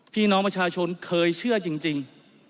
พี่น้องประชาชนเคยเชื่อจริง